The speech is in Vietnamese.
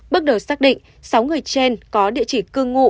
bước đầu xác định sáu người trên có địa chỉ cư ngụ